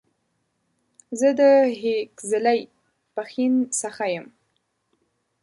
زه د هيکلزئ ، پښين سخه يم